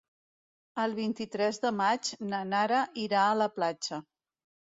El vint-i-tres de maig na Nara irà a la platja.